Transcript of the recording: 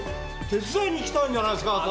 手伝いに来たんじゃないっすか私。